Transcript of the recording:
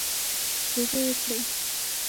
توبه وکړئ